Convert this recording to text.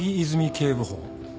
警部補。